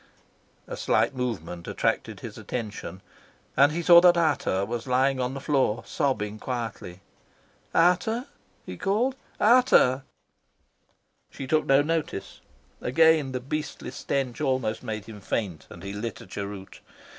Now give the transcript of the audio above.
A slight movement attracted his attention, and he saw that Ata was lying on the floor, sobbing quietly. "Ata," he called. "Ata." She took no notice. Again the beastly stench almost made him faint, and he lit a cheroot.